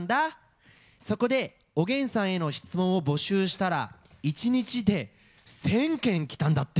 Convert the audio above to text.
そこでおげんさんへの質問を募集したら１日で１，０００件きたんだって。